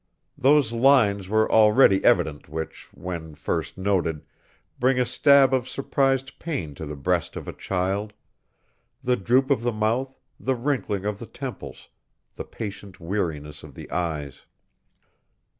Those lines were already evident which, when first noted, bring a stab of surprised pain to the breast of a child the droop of the mouth, the wrinkling of the temples, the patient weariness of the eyes.